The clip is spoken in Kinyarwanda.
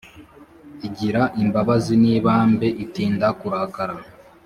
igira imbabazi n ibambe itinda kurakara